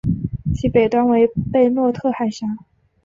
其北端为贝洛特海峡。